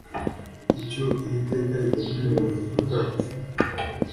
icyo iri teka rigamije mubuzima bwacu